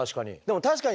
確かに。